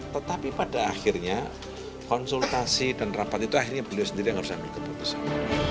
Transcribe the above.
tetapi pada akhirnya konsultasi dan rapat itu akhirnya beliau sendiri yang harus ambil keputusan